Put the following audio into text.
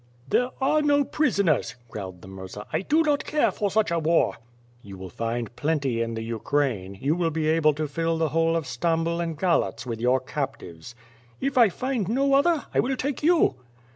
"There are no prisoners," growled the Murza. "I do not care for such a war." "You will find plenty in the Ukraine; you will be able to fill the whole of Stambul and Galatz with your captives." "If I find no other, I will take you!"